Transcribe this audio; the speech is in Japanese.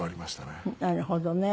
なるほどね。